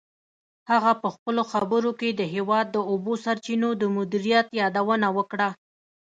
هغه په خپلو خبرو کې د هېواد د اوبو سرچینو د مدیریت یادونه وکړه.